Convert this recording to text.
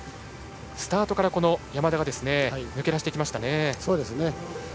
スタートから山田が抜け出していきましたね。